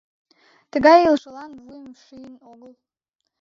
Тыгай илышлан вуйым шийын огыл.